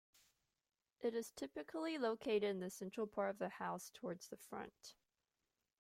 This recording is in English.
It is typically located in the central part of the house towards the front.